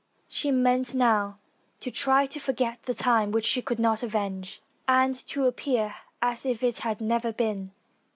She meant now to try to forget the time which she could not avenge, and to appear as if it had never been.